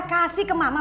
kasih ke mama